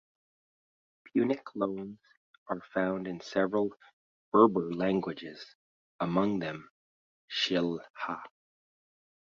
Punic loans are found in several Berber languages, among them Shilha.